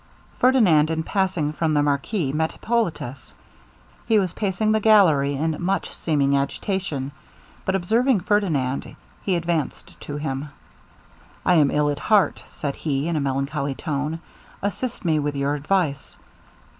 Ferdinand in passing from the marquis met Hippolitus. He was pacing the gallery in much seeming agitation, but observing Ferdinand, he advanced to him. 'I am ill at heart,' said he, in a melancholy tone, 'assist me with your advice.